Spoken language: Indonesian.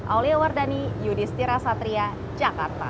aulia wardani yudhistira satria jakarta